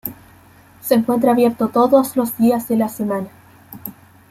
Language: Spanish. Se encuentra abierto todos los días de la semana.